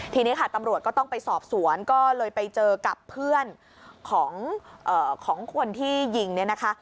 ทีนี้ค่ะตำรวจก็ต้องไปสอบสวนก็เลยไปเจอกับเพื่อนของคนที่ยิงเนี่ยนะคะ